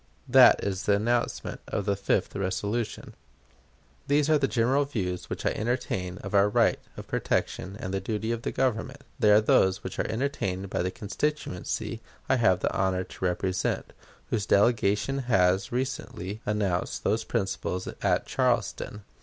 That is the announcement of the fifth resolution. These are the general views which I entertain of our right of protection and the duty of the Government. They are those which are entertained by the constituency I have the honor to represent, whose delegation has recently announced those principles at Charleston.